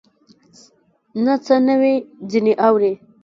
نه څه نوي ځینې اورې